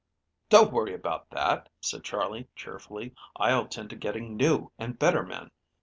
"Don't worry about that," said Charley cheerfully. "I'll tend to getting new and better men.